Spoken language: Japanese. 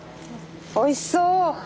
おいしそう。